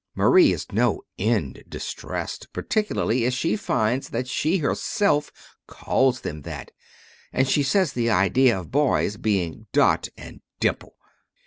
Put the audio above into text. Marie is no end distressed, particularly as she finds that she herself calls them that; and she says the idea of boys being 'Dot' and 'Dimple'!"